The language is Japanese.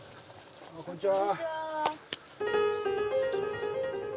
こんにちは。